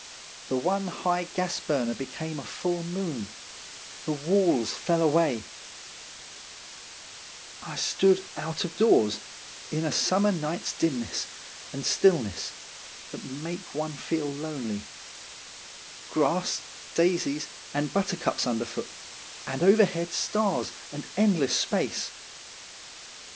The one high gas burner became a full moon, the walls fell away ; I stood out of doors in a summer night's dimness and stillness that make one feel lonely; grass, daisies, and but tercups underfoot, and overhead stars and endless space.